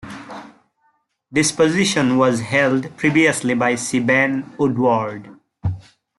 This position was held previously by C. Vann Woodward.